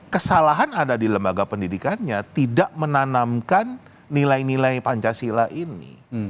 kesalahan ada di lembaga pendidikannya tidak menanamkan nilai nilai pancasila ini